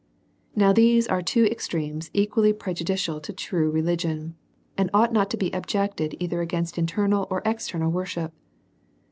Now these are two extremes equally prejudicial to true religion ; and ought not to be objected either against internal or external worship.